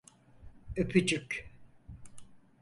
Öpücük…